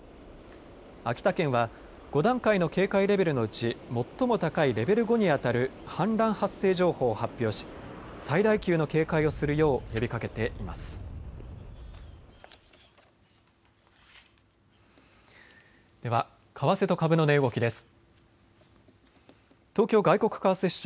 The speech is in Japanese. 秋田県は５段階の警戒レベルのうち最も高いレベル５にあたる氾濫発生情報を発表し最大級の警戒をするよう呼びかけています。